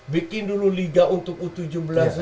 bikin dulu liga untuk u tujuh belas